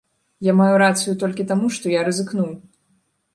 Я маю рацыю толькі таму, што я рызыкнуў.